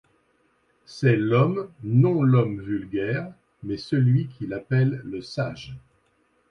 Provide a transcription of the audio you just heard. C'est l'homme, non l'homme vulgaire, mais celui qu'il appelle le sage.